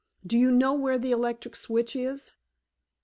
"Do you know where the electric switch is?"